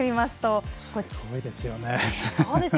すごいですよね。